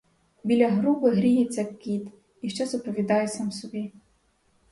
Біля груби гріється кіт і щось оповідає сам собі.